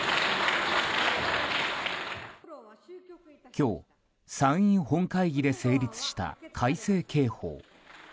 今日、参院本会議で成立した改正刑法。